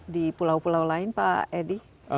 di pulau pulau lain pak edi